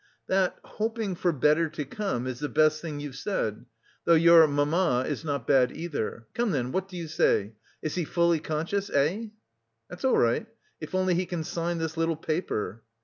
"That 'hoping for better to come' is the best thing you've said, though 'your mamma' is not bad either. Come then, what do you say? Is he fully conscious, eh?" "That's all right. If only he can sign this little paper."